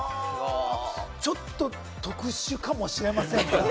ちょっと特殊かもしれません。